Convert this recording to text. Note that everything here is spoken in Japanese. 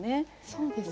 そうですね。